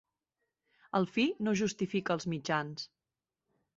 El fi no justifica els mitjans.